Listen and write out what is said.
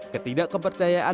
ketidak kepercayaan pemerintah